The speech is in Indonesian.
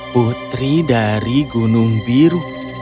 putri dari gunung biru